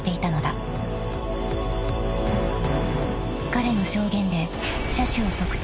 ［彼の証言で車種を特定］